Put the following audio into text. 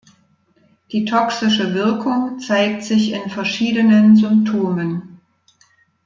Die toxische Wirkung zeigt sich in verschiedenen Symptomen.